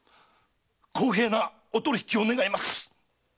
公平なお取り引きを願います！